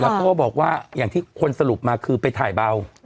เขาก็บอกว่าอย่างที่คนสรุปมาคือไปถ่ายเบา